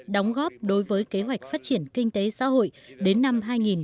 đóng góp đối với kế hoạch phát triển kinh tế xã hội đến năm hai nghìn hai mươi